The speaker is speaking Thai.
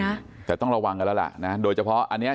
นะแต่ต้องระวังกันแล้วล่ะนะโดยเฉพาะอันเนี้ย